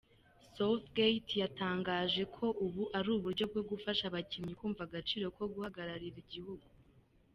Southgate yatangaje ko ubu ari uburyo bwo gufasha abakinnyi kumva agaciro ko guhagararira igihugu.